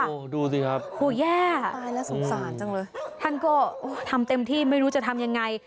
โอ้โหดูสิครับโหแย่ตายแล้วสงสารจังเลยท่านก็ทำเต็มที่ไม่รู้จะทำยังไง